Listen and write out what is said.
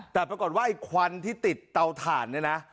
แต่ประกอบว่าไอ้ควันที่ติดเตาถ่าน